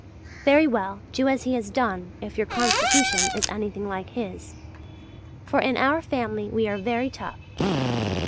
Very well, do as he has done, if your constitution is anything like his; for in our family we are very tough.